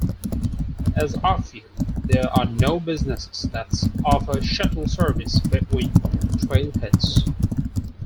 As ofyet there are no businesses that offer shuttle service between trailheads.